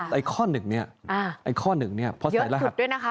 แต่ข้อ๑นี้เพราะใส่รหัส